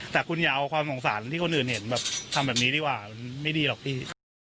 แต่คุณอย่าเอาความสงสารที่คนอื่นเห็นแบบทำแบบนี้ดีกว่ามันไม่ดีหรอกพี่